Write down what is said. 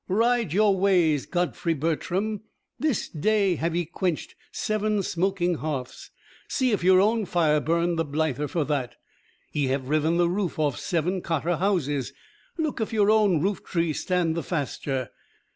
ride your ways, Godfrey Bertram! This day have ye quenched seven smoking hearths see if your own fire burn the blither for that. Ye have riven the roof off seven cottar houses look if your own roof tree stand the faster.